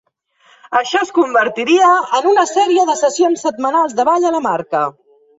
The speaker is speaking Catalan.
Això es convertiria en una sèrie de sessions setmanals de ball a la marca.